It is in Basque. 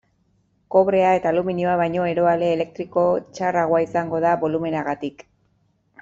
Kobrea eta aluminioa baino eroale elektriko txarragoa izango da bolumenagatik.